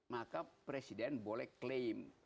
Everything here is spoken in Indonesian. maka presiden boleh claim